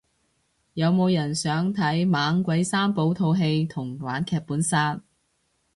有冇人想睇猛鬼三寶套戲同玩劇本殺